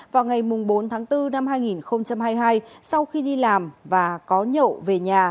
vào ngày bốn tháng bốn năm hai nghìn hai mươi hai sau khi đi làm và có nhậu về nhà